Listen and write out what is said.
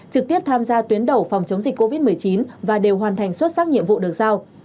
trực tiếp tham gia tuyến đầu phòng chống dịch covid một mươi chín và đều hoàn thành xuất sắc nhiệm vụ được giao